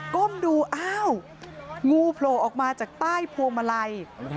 ้มดูอ้าวงูโผล่ออกมาจากใต้พวงมาลัย